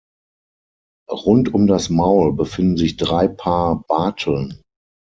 Rund um das Maul befinden sich drei Paar Barteln.